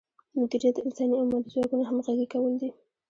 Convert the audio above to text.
مدیریت د انساني او مادي ځواکونو همغږي کول دي.